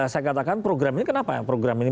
saya katakan program ini kenapa program ini